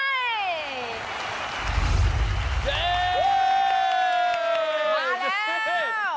มาแล้ว